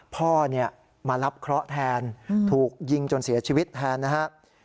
พ่อมารับเคราะห์แทนถูกยิงจนเสียชีวิตแทนนะครับ